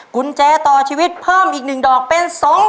กุญแจต่อชีวิตเพิ่มอีก๑ดอกเป็น๒๐๐๐